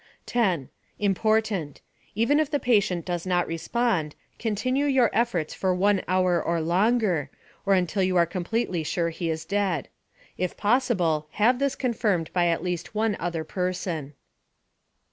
10. Important: Even if the patient does not respond, continue your efforts for 1 hour or longer, or until you are completely sure he is dead. If possible, have this confirmed by at least one other person.